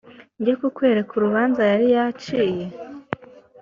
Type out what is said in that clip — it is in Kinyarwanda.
njye kukwereka urubanza yari yaciye‽